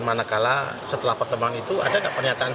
mana kala setelah pertemuan itu ada penyatanya